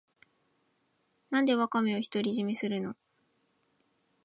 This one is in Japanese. なんでワカメを独り占めするの